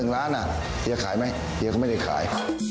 ๑ล้านเฮียขายไหมเฮียก็ไม่ได้ขาย